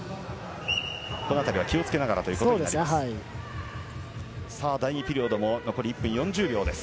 このあたりは気をつけながらということです。